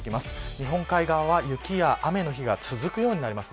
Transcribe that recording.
日本海側は雪や雨の日が続くようになります。